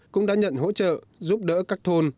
cũng đã nhận hỗ trợ giúp đỡ các thôn